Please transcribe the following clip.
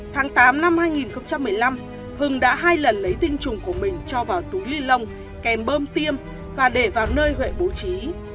tháng tám năm hai nghìn một mươi năm hưng đã hai lần lấy tinh trùng của mình cho vào túi ly lông kèm bơm tiêm và để vào nơi huệ bố trí